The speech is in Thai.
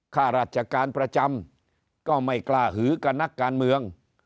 ข้าราชการประจำก็ไม่กล้าหือกับนักการเมือง